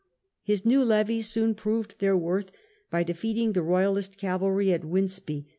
His new levies soon proved their worth by defeating the Royalist cavalry at Winceby.